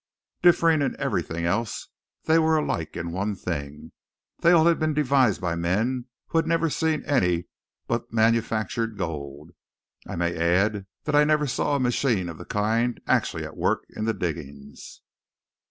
Differing in everything else, they were alike in one thing: they had all been devised by men who had never seen any but manufactured gold. I may add that I never saw a machine of the kind actually at work in the diggings.